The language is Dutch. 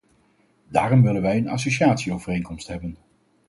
Daarom willen wij een associatieovereenkomst hebben.